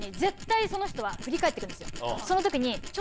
その時に。